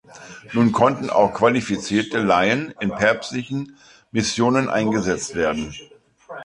Nun konnten auch qualifizierte Laien in päpstlichen Missionen eingesetzt werden.